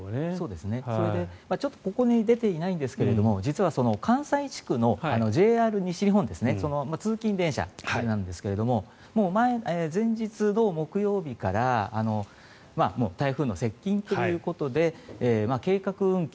それでここに出ていないんですが実は関西地区のＪＲ西日本通勤電車なんですが前日の木曜日から台風の接近ということで計画運休